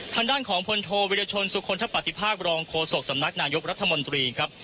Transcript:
ทางด้านของพลโทวิรชนสุคลทะปฏิภาครองโฆษกสำนักนายกรัฐมนตรีครับ